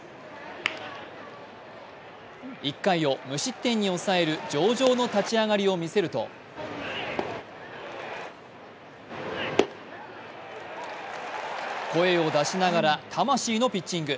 １回を無失点に抑える上々の立ち上がりを見せると声を出しながら、魂のピッチング。